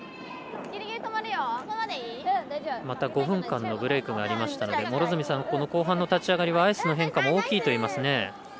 ５分間のブレークがありましたので両角さん、後半の立ち上がりはアイスの変化も大きいといえますね。